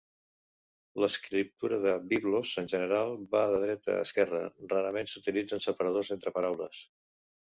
L'escriptura de Biblos en general va de dreta a esquerra; rarament s'utilitzen separadors entre paraules.